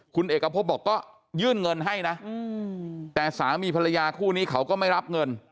คุณเอกพบบอกก็ยื่นเงินให้นะแต่สามีภรรยาคู่นี้เขาก็ไม่รับเงิน